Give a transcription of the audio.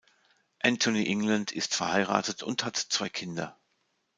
Anthony England ist verheiratet und hat zwei Kinder.